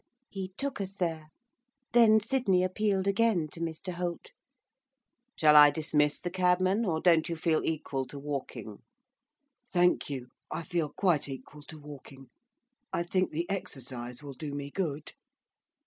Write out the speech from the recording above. He took us there. Then Sydney appealed again to Mr Holt. 'Shall I dismiss the cabman, or don't you feel equal to walking?' 'Thank you, I feel quite equal to walking, I think the exercise will do me good.